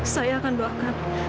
saya akan doakan